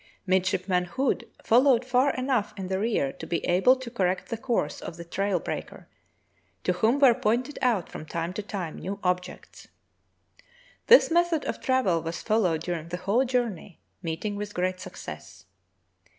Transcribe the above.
Mid shipman Hood followed far enough in the rear to be able to correct the course of the trail breaker, to whom were pointed out from time to time new objects. This method of travel was followed during the whole journej^ meeting with great success.